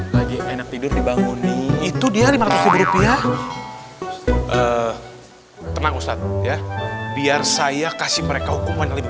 lagi enak tidur dibanguni itu dia lima ratus rupiah tenang ustadz ya biar saya kasih mereka hukuman lebih